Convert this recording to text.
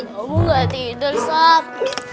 kamu gak tidur sak